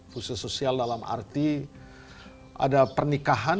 khusus sosial dalam arti ada pernikahan